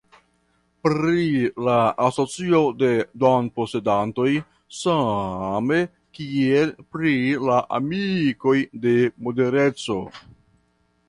Pri la asocio de domposedantoj same kiel pri la amikoj de modereco.